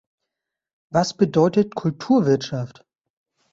Was bedeutet Kulturwirtschaft?